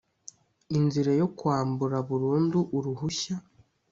inzira yo kwambura burundu uruhushya